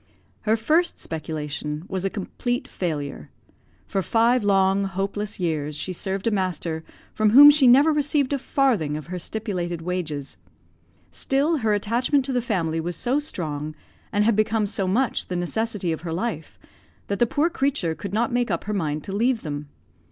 Her first speculation was a complete failure. For five long, hopeless years she served a master from whom she never received a farthing of her stipulated wages. Still her attachment to the family was so strong, and had become so much the necessity of her life, that the poor creature could not make up her mind to leave them.